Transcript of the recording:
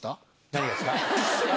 何がですか？